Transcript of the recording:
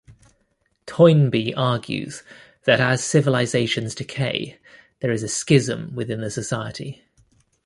Toynbee argues that as civilizations decay, there is a "schism" within the society.